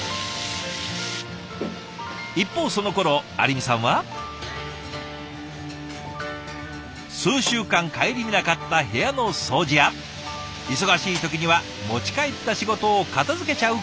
一方そのころ有美さんは。数週間顧みなかった部屋の掃除や忙しい時には持ち帰った仕事を片づけちゃうことも。